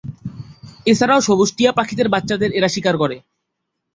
এছাড়াও সবুজ টিয়া পাখিদের বাচ্চাদের এরা শিকার করে।